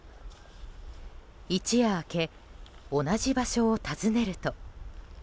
一夜明け同じ場所を訪ねると。